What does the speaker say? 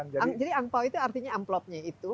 jadi angpao itu artinya amplopnya itu